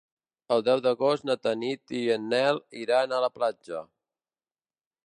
El deu d'agost na Tanit i en Nel iran a la platja.